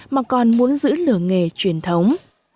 mà còn muốn giữ lửa nghề truyền thống